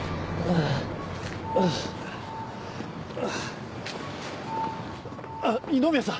あっ二宮さん！